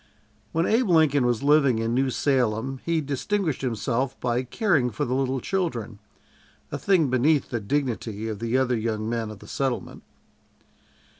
When Abe Lincoln was living in New Salem he distinguished himself by caring for the little children a thing beneath the dignity of the other young men of the settlement.